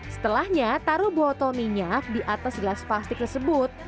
setelahnya taruh botol minyak di atas gelas plastik tersebut